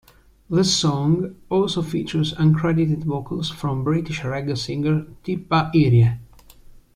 This song also features uncredited vocals from British reggae singer Tippa Irie.